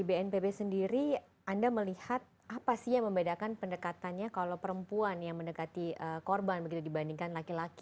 bnpb sendiri anda melihat apa sih yang membedakan pendekatannya kalau perempuan yang mendekati korban begitu dibandingkan laki laki